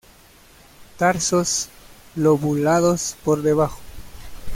Tarsos lobulados por debajo.